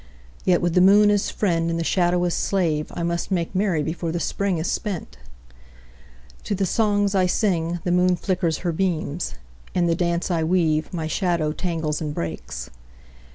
Yet with the moon as friend and the shadow as slave I must make merry before the Spring is spent. To the songs I sing the moon flickers her beams; In the dance I weave my shadow tangles and breaks.